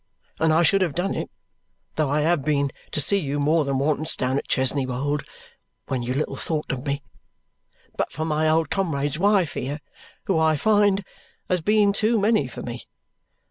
And I should have done it (though I have been to see you more than once down at Chesney Wold, when you little thought of me) but for my old comrade's wife here, who I find has been too many for me.